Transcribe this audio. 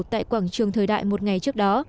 tại quảng trường thời đại một ngày trước đó